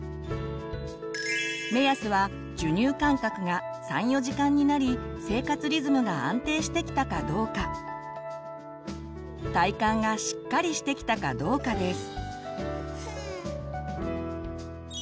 目安は授乳間隔が３４時間になり生活リズムが安定してきたかどうか体幹がしっかりしてきたかどうかです。